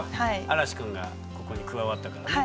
嵐士くんがここに加わったからね。